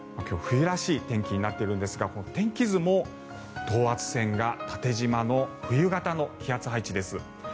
今日は冬らしい天気になっているんですが、天気図も等圧線が縦じまの冬型の気圧配置です。